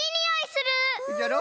じゃろ？